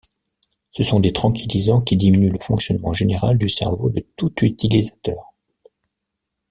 Ce sont des tranquillisants qui diminuent le fonctionnement général du cerveau de tout utilisateur.